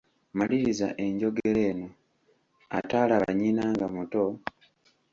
Maliriza enjogera eno, ataalaba nnyina nga muto, ……